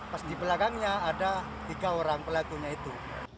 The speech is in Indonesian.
pas di belakangnya ada tiga orang pelakunya itu